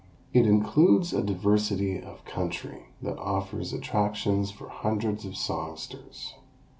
It includes a diversity of country that offers attractions for hundreds of songsters.